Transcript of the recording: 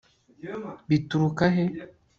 bituruka he